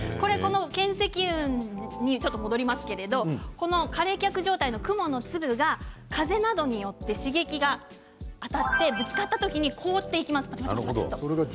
巻積雲に戻りますけれども過冷却状態の雲の粒が風などによって刺激が当たってぶつかった時に凍っていきます。